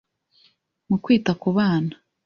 mu kwita ku bana,